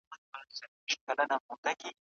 د بهرنیو اړیکو په مدیریت کي نیمګړتیاوې نه سته.